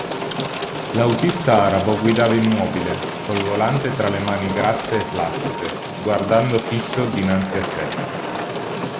L'autista arabo guidava immobile, col volante tra le mani grasse e flaccide, guardando fisso dinanzi a sé.